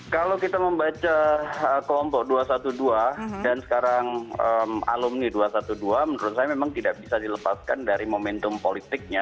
kalau kita membaca kelompok dua ratus dua belas dan sekarang alumni dua ratus dua belas menurut saya memang tidak bisa dilepaskan dari momentum politiknya